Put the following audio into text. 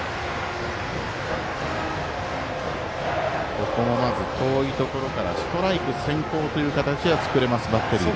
ここもまず遠いところからストライク先行という形は作れます、バッテリー。